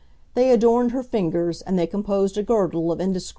They adorned her fingers and they composed a girdle of indescribable beauty.